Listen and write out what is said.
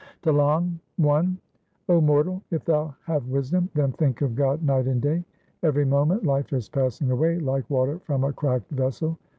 TlLANG I 0 mortal, if thou have wisdom, then think of God night and day ; Every moment life is passing away like water from a cracked vessel.